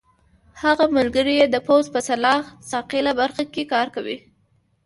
هغه ملګری یې د پوځ په سلاح ساقېله برخه کې کار کاوه.